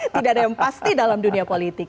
tidak ada yang pasti dalam dunia politik